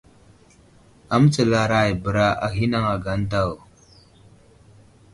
Amətsalara bəra a ghinaŋ age daw.